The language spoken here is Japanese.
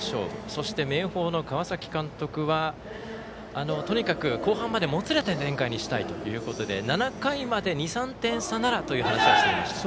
そして明豊の川崎監督はとにかく、後半までもつれた展開にしたいということで７回まで２３点差ならという話はしていました。